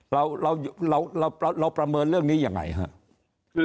เราเราประเมินเรื่องนี้ยังไงครับ